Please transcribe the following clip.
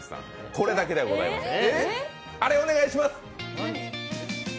これだけではございません。